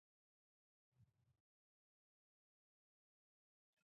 غول د ډاکټر پام ځانته اړوي.